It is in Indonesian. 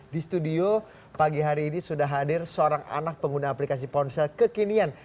di studio pagi hari ini sudah hadir seorang anak pengguna aplikasi ponsel kekinian